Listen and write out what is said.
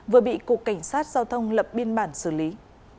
vừa bị cục cảnh sát giao thông lập biên bản xử lý